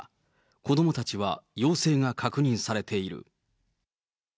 子どもたちは、陽性が確認されている。